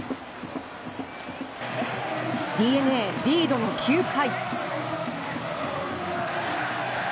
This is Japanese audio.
ＤｅＮＡリードの９回。